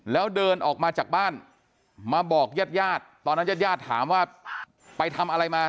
แล้วเดินออกมาจากบ้านมาบอกญาติญาติตอนนั้นญาติญาติถามว่าไปทำอะไรมา